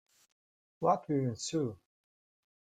What will ensue?